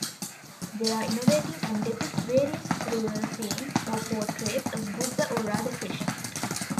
They are innovative and depict various rural scenes or portraits of Buddha or Radha-Krishna.